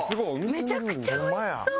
めちゃくちゃ美味しそう。